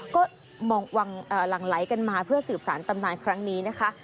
ก็หลั่งไหลกันมาเพื่อสืบสารตำนานครั้งนี้นะคะ